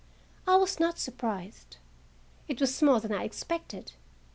I was not surprised. It was more than I had expected.